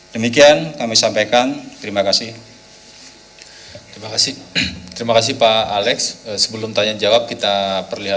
demikian kami sampaikan terima kasih